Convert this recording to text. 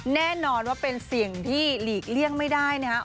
แน่นอนว่าเป็นเสี่ยงที่หลีกเลี่ยงไม่ได้นะครับ